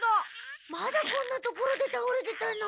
まだこんな所でたおれてたの？